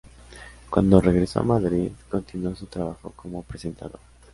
Cuando regresó a Madrid continuó su trabajo como presentadora.